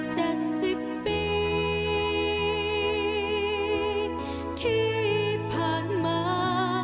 สิบปีที่ผ่านมา